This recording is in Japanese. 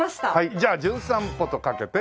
じゃあ『じゅん散歩』とかけて？